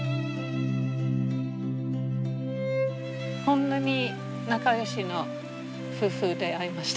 こんなに仲よしの夫婦出会いました。